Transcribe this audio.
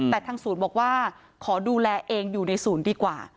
แต่ทางศูนย์บอกว่าขอดูแลเองอยู่ในศูนย์ดีกว่า